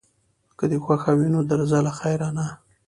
که دې خوښه وي نو درځه له خیره، نه.